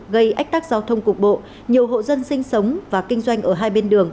gây ách tắc giao thông cục bộ nhiều hộ dân sinh sống và kinh doanh ở hai bên đường